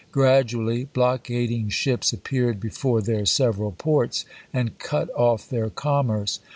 Gradually, blockading ships appeared be fore their several ports, and cut off their commerce.